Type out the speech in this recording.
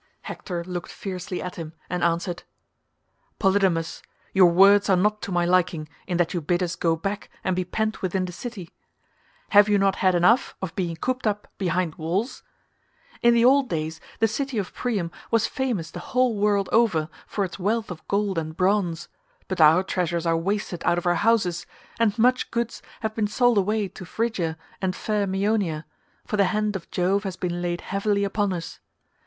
Hector looked fiercely at him and answered, "Polydamas, your words are not to my liking in that you bid us go back and be pent within the city. Have you not had enough of being cooped up behind walls? In the old days the city of Priam was famous the whole world over for its wealth of gold and bronze, but our treasures are wasted out of our houses, and much goods have been sold away to Phrygia and fair Meonia, for the hand of Jove has been laid heavily upon us.